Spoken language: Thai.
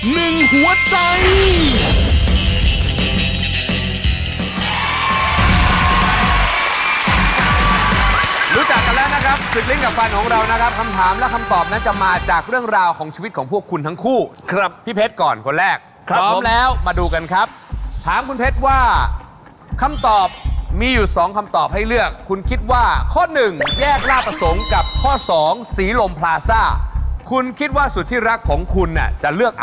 แล้วนะครับศึกลิ้งกับฟันของเรานะครับคำถามและคำตอบนั้นจะมาจากเรื่องราวของชีวิตของพวกคุณทั้งคู่ครับพี่เพชรก่อนคนแรกครับพร้อมแล้วมาดูกันครับถามคุณเพชรว่าคำตอบมีอยู่สองคำตอบให้เลือกคุณคิดว่าข้อหนึ่งแยกล่าประสงค์กับข้อสองสีลมพลาซ่าคุณคิดว่าสุดที่รักของคุณน่ะจะเลื